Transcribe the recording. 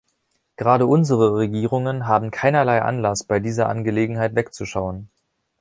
Gerade unsere Regierungen haben keinerlei Anlass, bei dieser Angelegenheit wegzuschauen.